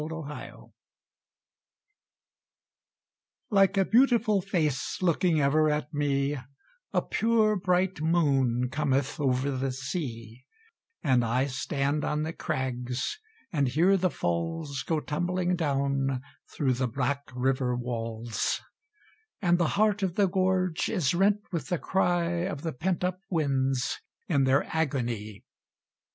Watching Like a beautiful face looking ever at me A pure bright moon cometh over the sea; And I stand on the crags, and hear the falls Go tumbling down, through the black river walls; And the heart of the gorge is rent with the cry Of the pent up winds in their agony!